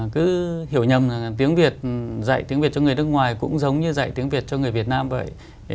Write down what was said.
cứ hiểu nhầm tiếng việt dạy tiếng việt cho người nước ngoài cũng giống như dạy tiếng việt cho người việt nam vậy